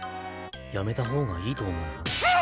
やめた方がいいと思うよ。